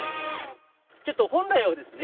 ちょっと本来はですね